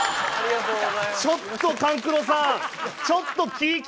ちょっと勘九郎さん